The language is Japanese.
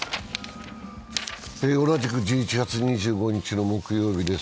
同じく１１月２５日の木曜日です。